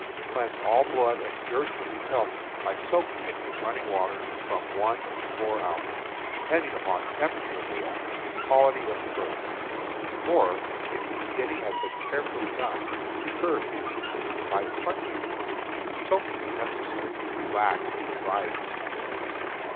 Cleanse all blood and dirt from the pelt by soaking it in running water from one to four hours, depending upon temperature of water and quality of fur; or, if the skinning has been carefully done, the fur can be cleaned by sponging. Soaking is necessary to relax a dried skin.